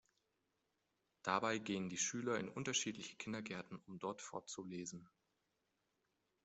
Dabei gehen die Schüler in unterschiedliche Kindergärten, um dort vorzulesen.